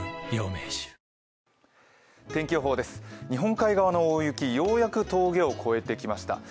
日本海側の大雪、ようやく峠を越えてきました。